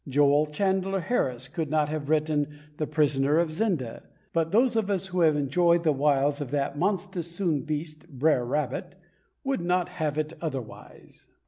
Joel Chandler Harris could not have written The Prisoner of Zenda, but those of us who have enjoyed the wiles of that "monstus soon beast, Brer Rabbit," would not have it otherwise.